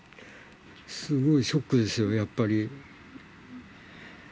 すごいショックですよ、やっぱり。